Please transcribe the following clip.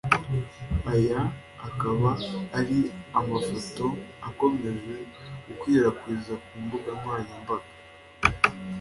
Aya akaba ari amafoto akomeje gukwirakwiza ku mbuga nkoranyambaga